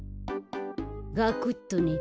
ガクッとね。